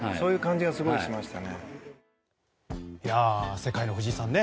世界の藤井さんね。